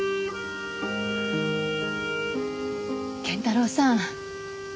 謙太郎さん